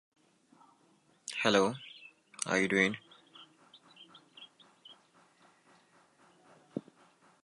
The dots and dashes above the letters are called trope.